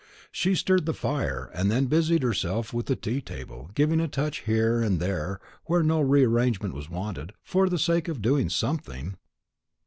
She stirred the fire, and then busied herself with the tea table, giving a touch here and there where no re arrangement was wanted, for the sake of doing something.